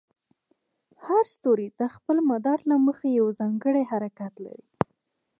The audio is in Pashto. هر ستوری د خپل مدار له مخې یو ځانګړی حرکت لري.